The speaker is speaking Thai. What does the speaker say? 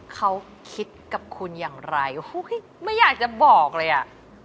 เขาคิดกับคุณอย่างไรไม่อยากจะบอกเลยอ่ะ